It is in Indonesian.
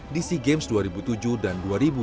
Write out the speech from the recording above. di sea games dua ribu tujuh dan dua ribu dua puluh